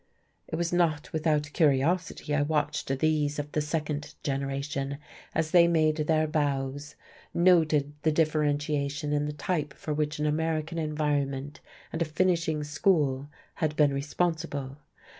It was not without curiosity I watched these of the second generation as they made their bows, noted the differentiation in the type for which an American environment and a "finishing school" had been responsible.